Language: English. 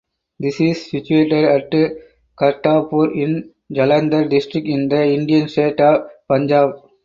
This is situated at Kartarpur in Jalandhar district in the Indian state of Punjab.